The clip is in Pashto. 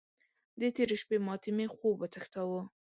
د تېرې شپې ماتې مې خوب وتښتاوو.